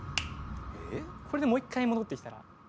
これでもう一回戻ってきたら。